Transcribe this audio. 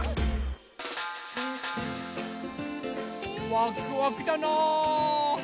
ワクワクだなぁ。